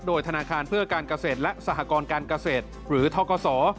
โดยธนาคารเพื่อการเกษตรและสหกรการเกษตรหรือทกศ